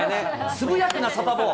つぶやくな、サタボー。